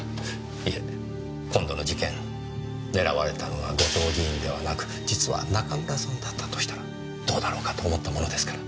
いえ今度の事件狙われたのが後藤議員ではなく実は中村さんだったとしたらどうだろうかと思ったものですから。